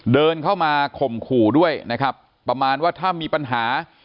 เดินเข้ามาข่มขู่ด้วยนะครับประมาณว่าถ้ามีปัญหา